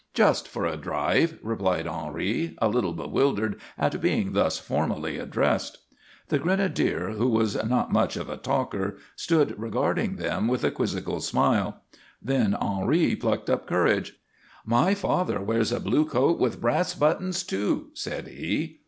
"Just for a drive," replied Henri, a little bewildered at being thus formally addressed. The grenadier, who was not much of a talker, stood regarding them with a quizzical smile. Then Henri plucked up courage: "My father wears a blue coat with brass buttons, too," said he.